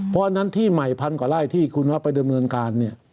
เพราะอันนั้นที่ใหม่พันกว่าไร่ที่คุณว่าไปดำเนินการเนี่ย